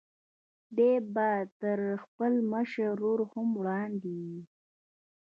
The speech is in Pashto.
دی به تر خپل مشر ورور هم وړاندې وي.